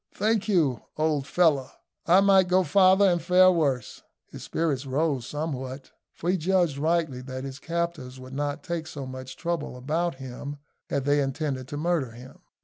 "Thank you, old fellow, I might go farther and fare worse." His spirits rose somewhat, for he judged rightly that his captors would not take so much trouble about him had they intended to murder him.